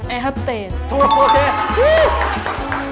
แอร์ฮัทเตรน